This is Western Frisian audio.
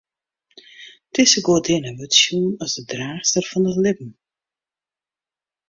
Dizze goadinne wurdt sjoen as de draachster fan it libben.